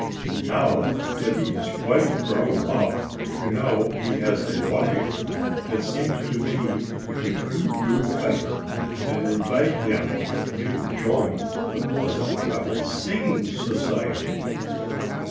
And now that he is quite grown up you know he has a wife it seems to me that we couldn't do better than invite him to join the Pleasant Valley Singing Society."